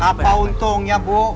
apa untungnya bu